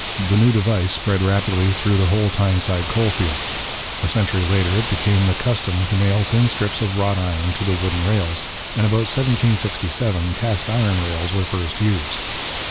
The new device spread rapidly through the whole Tyneside coal field. A century later it became the custom to nail thin strips of wrought iron to the wooden rails, and about 1767 cast iron rails were first used.